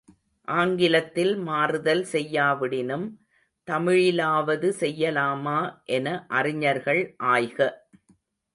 ஆங்கிலத்தில் மாறுதல் செய்யாவிடினும், தமிழிலாவது செய்யலாமா என அறிஞர்கள் ஆய்க.